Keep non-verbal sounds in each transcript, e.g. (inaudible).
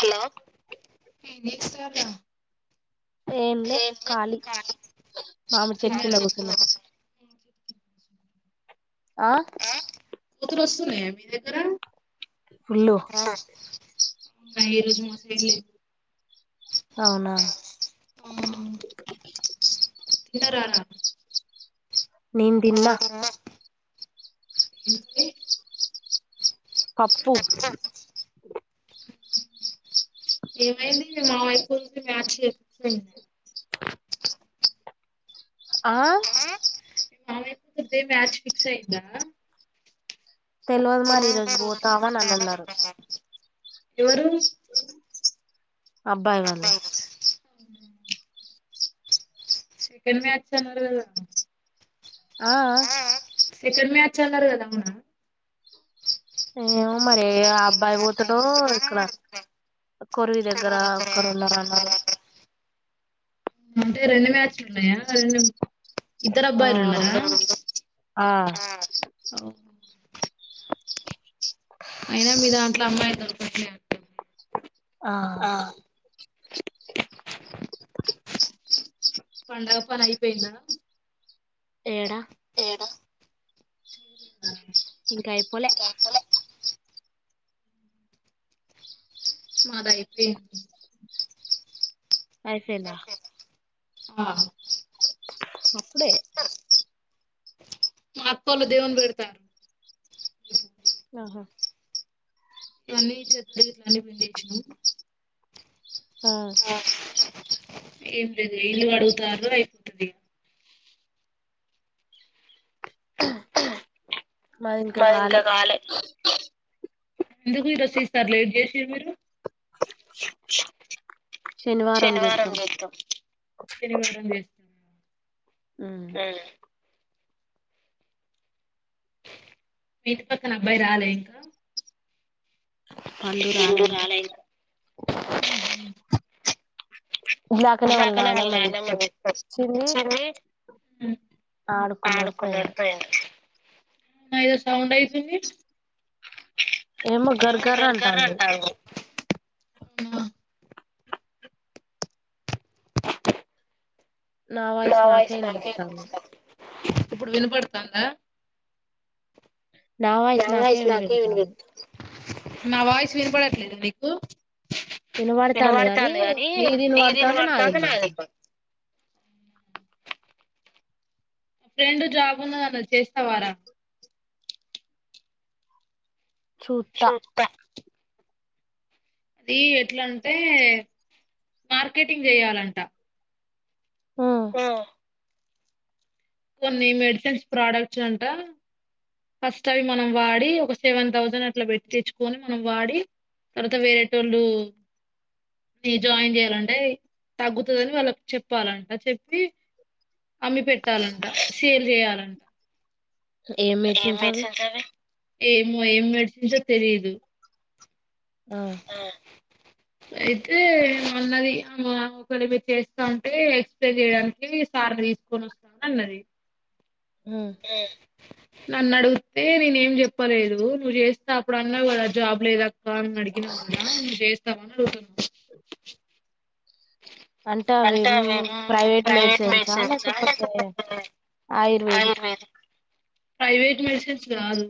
Hello! ఎంలే కాలి మామిడి తిన్నారా చెట్టుకింద కూర్చున్నాను ఆ కోతులొస్తున్నయ మీ దగ్గరా ఫుల్లు అవునా ఈ రోజు మా సైడ్ లేవు. అవునా అవునా తిన్నరార నేన్ తిన్న. ఏం కర్రీ పప్పు ఈ మా ఐకుల్కి మ్యాచ్ (unintelligible) ఆ అఅయితే మ్యాచ్ ఫిక్సైందా తెల్వదు మరి ఈరోజు పోతావా అని అన్నారు ఎవరు? అబ్బాయి వాళ్ళు సెకండ్ మ్యాచ్ అన్నరు గదా ఆ సెకండ్ మ్యాచ్ అన్నరు గదా అవునా ఏమో మరి ఏ అబ్బాయి పోతడో ఇక్కడ కొర్వి దగ్గర ఒక్కర్ ఉండరన్నరు. అంటే రెండు మ్యాచ్లున్నయా రెండు ఆ ఇద్దరబ్బాయిలు ఉన్నరా? రెండు ఆ సౌం అయినా మీ దాంట్ల అమ్మాయిల్ దొరకట్లే అంటుంది. ఆ పండగ పన్ అయిపోయిందా? ఏడ ఏడ ఇంకా అయిపోలె మాదైపోయింది. అయిపోయింద ఆ అప్పుడే మా అక్కోళ్ళు దేవున్ పెడ్తాన్రు. ఆహా ఇవన్నీ చెద్దర్ గిట్ల అన్నీ పిండేస్నం. ఆ ఏం లేదు ఇల్లు గడుగుతాంరు అయిపోతది మాది ఇంకా మాదింక కాలే ఎందుకు ఈసారి లేట్ జేసిన్ మీరు శనివారం జేత్తం. ఆ మీ ఇంటి పక్కన అబ్బాయి రాలే ఇంకా పండు ఏందో ఇంకా రాలే ఇంక ఇందాకల వాళ్ళ నాయనమ్మ వ వచ్ వచ్చింది. పాడుకున్నడ్ పోయిండు. అ ఏదో సౌండ్ అయితుంది. ఏమో గర్గర్ గర్ గర్ అంటాంది అంటంది. నా వాయిస్ నాకే ఇన్పిస్తన్ తందా నా వాయిస్ నాకే వినపడుతుంది వినబడతాంది గానీ వినబడుతుంది గనీ నీది వినబడతాంది ఇనవడుతంది నాది వినబడతాంది ఇనవడుతంది. ఫ్రెండ్ జాబ్ ఉన్నదాన్ని వచ్చేస్నవర చూత్తా సుత్తా అది ఎట్లాంటే మార్కెటింగ్ చేయాలంట ఆ కొన్ని మెడిసిన్స్ ప్రోడక్ట్స్ అంట ఫస్ట్ అవి మనం వాడి ఒక సెవెన్ థౌసండ్ అట్లా పెట్టిచ్చుకొని మనం వాడి తర్వాత వేరేటోళ్ళు ఇ జాయిన్ చెయ్యాలంటే తగ్గుతుందిని వాళ్ళక్ చెప్పాలంట చెప్పి అమ్మి పెట్టాలంట సేల్ చేయాలంట ఏం మెడిసిన్స్ అవి ఆ అయితే అన్నది మామే ఒకవేళ ఒకరీ వేస్తా ఉంటే ఎక్స్ప్లేన్ చేయడానికి సార్ తీసుకొని వస్త అన్నది ఉ నన్ను అడిగితే నేనే ఏం చెప్పలేదు. నువ్వు చేస్తే అప్పుడు అన్నావు జాబ్ లేదక్క అని అడిగీనవ్ జాబ్ నువ్వు జెస్తావా అడుగుతున్న అంటే అవి మ్ ప్రైవేట్ మెడిసిన్స్ లేకపోతే ఆయుర్వేదిక్ ఆయుర్వేద ప్రైవేట్ మెడిసిన్స్ గాదు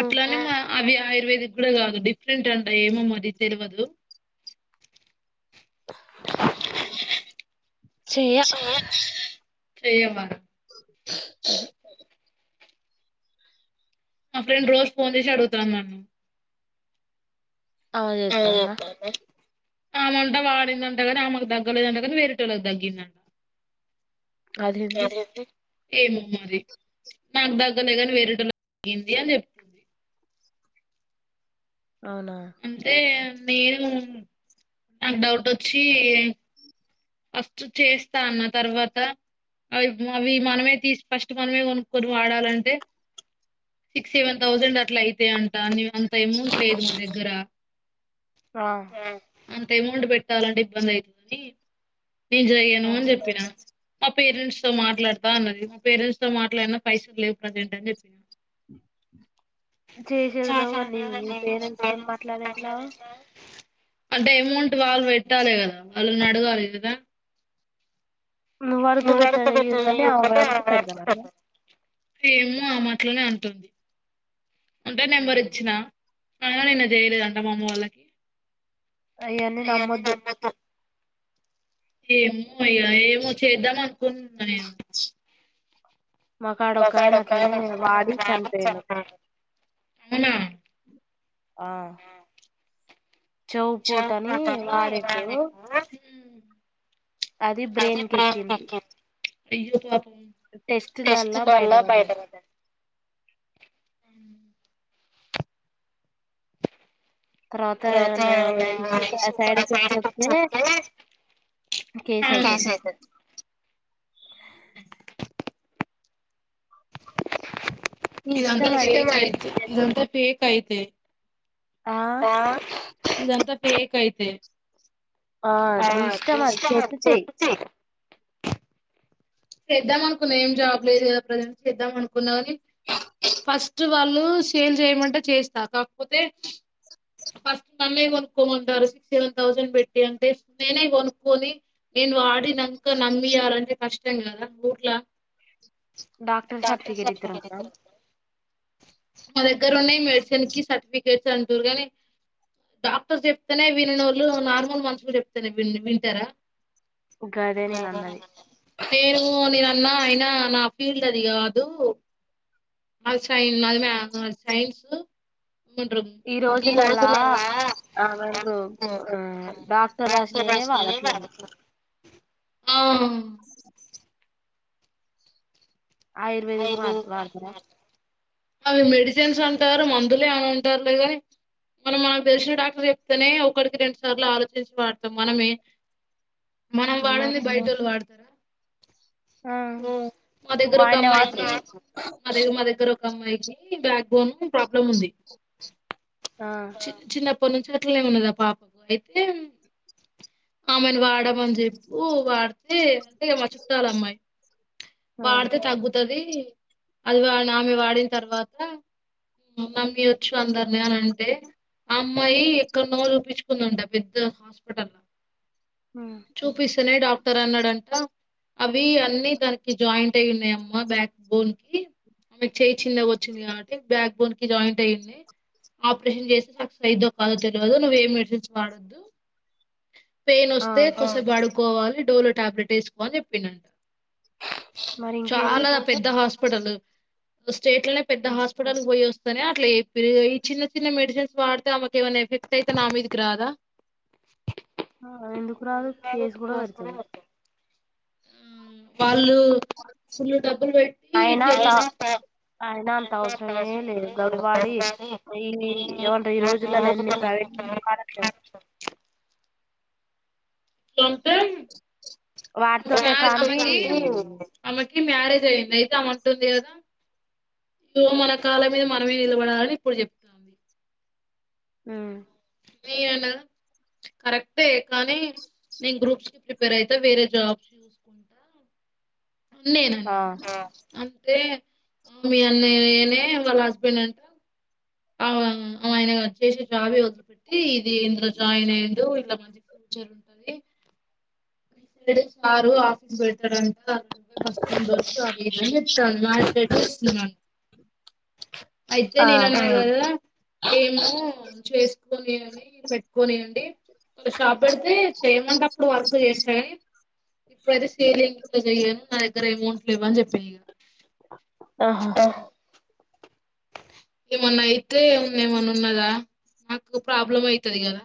అట్లానే మా అవి ఆయుర్వేదిక్ ఇప్పుడు కాదు డిఫరెంట్ అంట ఏమో మరి తెలవదు. చెయా చెయ్యవా ఉహూ మా ఫ్రెండ్ రోజు ఫోన్ చేసి అడుగుతంది నన్ను ఆమె అదే జెతన్ ద చెప్పాలి ఆమంట వాడిందంట కానీ ఆమ్మకు తగ్గలేదంటగానీ వేరేటోల్లకు తగ్గిందంట. అదేంది అదే ఏమ మరి నాకు దగ్గలేగాని వేరేటో తగింది అని చెప్తుంది అవునా అంటే నేను నక్ డౌట్ ఆచ్చి ఫస్ట్ చేస్తాన్న తర్వాత అవి అవి మనమే తీసి ఫస్ట్ మనమే కొను కొని వాడాలంటే సిక్స్ సెవెన్ థౌసండ్ అట్లా యితే అంటా అని అంత ఎమౌంట్ లేదు మా దగ్గర ఆ అంత ఎమౌంట్ పెట్టాలండి ఇబ్బంది అయితదని నేను జగాను అని ఆహా చెప్పినా మా పేరెంట్స్ తో మాట్లాడతా అన్నది మా పేరెంట్స్ తో మాట్లాడిన పైసలు లేవు ప్రజెంట్ అని చెప్పినను చేసేది నువు కానీ నీ నీ పేరెంట్స్ తో మాట్లాడి ఎంటిన అంటే అమౌంట్ వాళ్ళు పెట్టాలి కదా వాళ్ళుని అడగాలీ కదా నువ్ వడుతె పెట్ట ఇని ఆమె అడుతే పెడదాంట్ హేమో ఆమె అట్లనే అంటుంది అంటే నెంబర్ ఇచ్చినా ఐన నిన్న చేయలేదంట మా అమ్మ వాళ్ళకి అయ్యని నమ్మొద్దు ఏమో ఇగ ఏమో చేద్దాం అన్కున్న నేను మాకాడ ఒక బసాడ్ ఆయన ఒక్క అట్లనే వాడి చనిపోయిండు (unintelligible) చూపుటనీ వాడిండు అది బ్రెన్ కెక్కింది అయ్యో పాపం టెస్ట్ లల్లా బయటపడ్డది బయ్టపడ్డది తర్వాత ఏమన్నా నా ఇష్యూస్ సూపర్ అసైడుకి చెప్తే కేస్ ఐతద్ నీ ఇందంత ఇష్టం అది ఫేక్ చేతి ఐతే చెయ్యి. ఇదంతా ఫేక్ ఐతే ఆ ఇదంత ఫేక్ ఐతే ఆ నీ ఇష్టం అది చెత్తే చెయ్ చేద్దం అన్కున్న ఏం జాబ్ లేదు గద ప్రజెంట్ చేద్దాం అన్కున్న గని ఫస్ట్ వాళ్ళు సేల్ చేయమంటే చేస్త కాక్పోతె ఫస్ట్ నన్నే కొనుక్కోమంటరు సిక్స్ సెవెన్ థౌజండ్ బెట్టి అంటే నేనే గొనుక్కొని నెన్ వాడినంక నమ్మియ్యాలంటె కష్టం గద ఊర్ల డాక్టర్ సర్టిఫికేట్ సర్ఫికెట్ ఇత్తరటనా ఇత్తరు మ దెగ్గరున్నై మెడిసన్కి సర్టిఫికేట్స్ అంటుర్రు గని డాక్టర్స్ చెప్తనే విననోళ్ళు నార్మల్ మనుషులు చెప్తే విన్ వింటరా గదే నేనన్నది నేను నేన్ అన్న ఐనా నా ఫీల్డ్ అది గాదు అది సైన్ నాది మా అద్ సైన్స్ ఏమంటరు ఈ ఈరోజులల్లా రోజుల అవ్వ ఆ డాక్టర్ రాశ్నయే వాడట్లేదు అం ఆయుర్వేదిక్ వాడ్ వాడ్తరా అవి మెడిసెన్స్ అంటారు మందులె అని అంటార్లే గాని మనం మనకి దెల్శిన డాక్టర్ చెప్తేనే ఒక్కడ్కి తెలిసినట్టు ఆలోచించుకో వాడతాం మనమే మనం వాడంది మరి బైటోల్లు వాడ్తర ఆ దగ్గర వా ఒక అమ్మాయికి అదె మా దగ్గర ఒక అమ్మాయికి బ్యాక్ బోన్ ప్రాబ్లం ఉంది ఆ చి చిన్నప్ పడ్ నుంచి అట్లనే ఉన్నది ఆ పాపకు అయితే ఆమె వాడమని చెప్పు వాడ్తే అంతే మా చుట్టాలమ్మాయి అ తగ్గుతదీ అది వా ఆమె వాడిన్ తర్వాత నమ్మేయుచ్చు అందర్ని అని అంటె అమ్మాయి ఎక్కడ్నో చూపిచ్చుకుందంట పెద్ద హాస్పెటల్లో ఉమ్. చూపిస్తనే డాక్టర్ అన్నడంట అవ్వి అన్నీ దానికి జాయిన్ ట్టె ఉన్నయ్ అమ్మ బ్యాక్ బోన్ కి అమెకి చేయ్ చిన్నగొచ్చింది కాబట్టి బ్యాక్ బోన్ కి జాయింట్ అయ్యింది ఆప్రేషన్ చేస్తె సక్సెస్ అయిద్దో కాదో తెల్వదు నువ్వే మెడిసిన్స్ వాడొద్దు పైన్ ఆ ఒస్తే కొస్సేప్ బడుకోవాలి డోలో టాబ్లెట్ ఏస్కో అన్ చెప్పిండంట మరి ఇంకేంది చాలా పెద్ద హాస్పిటల్ స్టేట్ లనే పెద్ద హాస్పిటల్గ్ పోయోస్ కనే అట్ల యెప్పిర్రు ఇగ ఈ చిన్న చిన్న మెడిసిన్స్ వాడ్తే ఆమెక్ ఎమన్న ఎఫెక్ట్ ఐతె నా మీదిక్ రాదా ఆ, ఎందుకు ఎందుక్ రాదు కేసు కూడా ఒస్తనే పెడతారు ఒస్తద్ వాళ్ళు ఫుల్లు డబ్బుల్ వెట్టి చేప్ ఐన అంత అవస్రమే లేదు గవివాడి ఈ ఏమంట ఈ రోజులల్లో ఎన్ని ప్రైవేట్ కానట్లేవ్ కొంతెం ఉ వాటితోటే కాంది ఆమెకి ఆమెకి మ్యారేజ్ అయింది అయితే అమంటుంది కదా ఇగో మన కాల మీద మనమే నిలబడాలి ఇప్పుడు చెప్తాంది ఉ నేయన కరెక్టే కానీ నేను గ్రూప్ ప్రిపేర్ అయితా వేరే జాబ్ చూసుకుంటా అని ఆ నేనన్న అన్ టే మీ అన్నయనే వాళ్ళ హస్బెండ్ అంట ఆ ఆయన చేసే జాబే వదిలి పెట్టి ఇది ఇందులో జాయిన్ అయిండు ఇట్లా మంచి జరుతది (unintelligible) సారు ఆఫీస్ బెటర్ అంత ఎ వస్తుండు వస్తది అని చెప్తాన్ నాకెట్ల (unintelligible) అయితే ఆ నేన్ (unintelligible) ఇవ్వాళ ఏమో చేసుకోలేనని పెట్టుకోనిఉంటి షాప్ పెడితే చేయమంటే అప్పుడు వర్క్స్ చేసుడే ఇప్పుడైతే సిలింగ్ ఇట్ల చెయన్ నా దగ్గర అమౌంట్లేవ్ అని చెప్పిండు ఇగ ఆహా ఏమన్నా అయితే ఏమన్నా ఉన్నదా మాకు ప్రాబ్లం అయితది కదా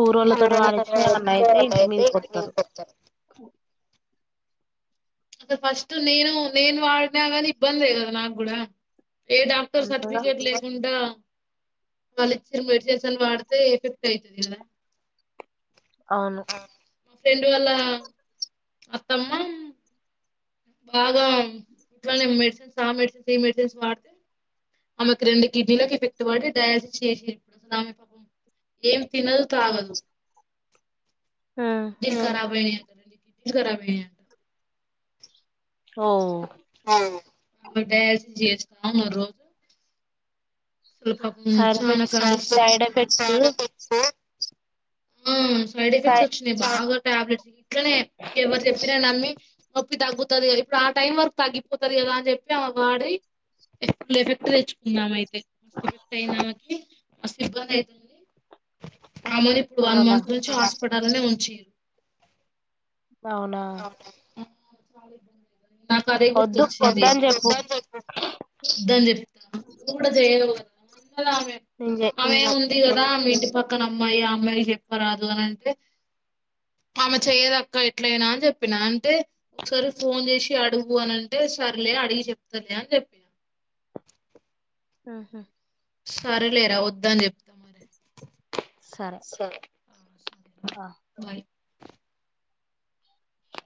ఊరోళ్ళతోటి వాడిచ్చి ఏమన్నా సో, అయితే అలా ఇంటి అయితే మీదికి వస్తారు అంటే ఫస్ట్ నేను నేను వాడిన గాని ఇబ్బందే కదా నాకూడా ఏ డాక్టర్ అంతేగా సర్టిఫికేట్ లేకుండా వాళ్ళ ఇచ్చిన మెడిసన్స్ వాడితే ఎఫెక్ట్ అయితది కదా అవును మా ఫ్రెండ్ వాళ్ళ అత్తమ్మ బాగా ఇట్లానే మెడిసన్స్ ఆ మెడిసన్స్ ఈ మెడిసన్స్ వాడితే ఆమెకు రెండు కిడ్నీలకు ఎఫెక్ట్ పడి డయాసిస్ చేసేన్డు అసలు ఆమె పాపం ఏం తినదు తాగదు ఉమ్. కిడ్నీ కరాబైనయంట రెండు కిడ్నీ కరబేనాయంట ఓ అవును (unintelligible) చేస్తం ఆ రోజు అసలు పాపం సైడ్ చానా ఎఫెక్ట్స్ కష్టం సైడ్ ఎఫెక్ట్స్ ఆ సైడ్ సై ఎఫెక్ట్స్ వచ్చినాయి బాగా టాబ్లెట్స్ ఇట్లనే ఎవరు చెప్పిన నమ్మి నొప్పి తగ్గుతది కదా ఇప్పుడు ఆ టైం వరకు తగ్గిపోతది కదా అని చెప్పి ఆమే వాడి ఇప్పు లెఫెక్ట్ తెచ్చుకుందామే అయితే మస్త్ ఎఫెక్ట్ అయింది ఆమెకి మస్త్ సిబ్బంది ఐతుంది అమెని ఇప్పుడు వన్ అవునా మంత్ నుంచి హాస్పిటల్నే ఉంచ్ చీర్ అవునా నాకు అదే వద్దు గుర్తొచ్చింది వద్దని చెప్పు వద్దని చెప్తా నువ్వు కూడా చేయవు కదా అని అన్నదామె నేను చే అమె ఉంది కదా నేను మీ ఇంటి పక్క క్కన అమ్మాయి ఆ అమ్మాయి చెప్పరాదు అని అంటే ఆమె చేయదక్క ఎట్లయినా చెప్పిన అంటే ఒకసారి ఫోన్ చేసి అడుగు అని అంటే సర్లే అడిగి చెప్తాలే అని చెప్పిన ఉమ్ హు సరేలేరా వద్దని చెప్తా మరి సరే ఆ సరే ఆ బాయ్